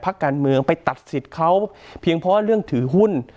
พักการเมืองไปตัดสิทธิ์เขาเพียงเพราะเรื่องถือหุ้น